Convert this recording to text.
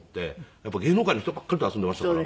やっぱり芸能界の人ばっかりと遊んでいましたから。